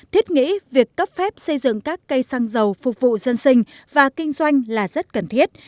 thiết nghĩ việc cấp phép xây dựng các cây xăng dầu phục vụ dân sinh và kinh doanh là rất cần thiết